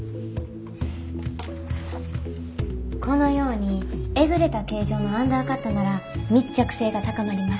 このようにえぐれた形状のアンダーカットなら密着性が高まります。